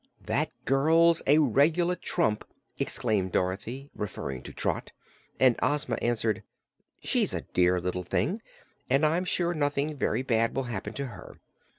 "That girl's a reg'lar trump!" exclaimed Dorothy, referring to Trot, and Ozma answered: "She's a dear little thing, and I'm sure nothing very bad will happen to her.